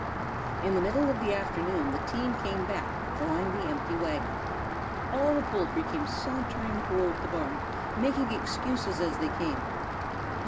In the middle of the afternoon the team came back drawing the empty wagon. All the poultry came sauntering toward the barn, making excuses as they came.